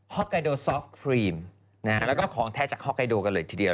็อกไกโดซอกฟรีมแล้วก็ของแท้จากฮอกไกโดกันเลยทีเดียว